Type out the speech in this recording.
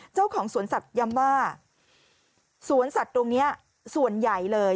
เจ้าของสวนสัตว์ย้ำว่าสวนสัตว์ตรงนี้ส่วนใหญ่เลย